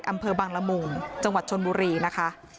อำเภอบังละมุงจังหวัดชนบุรีนะคะ